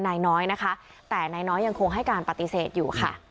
นายน้อยนะคะแต่นายน้อยยังคงให้การปฏิเสธอยู่ค่ะ